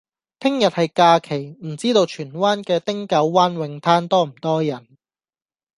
聽日係假期，唔知道荃灣嘅汀九灣泳灘多唔多人？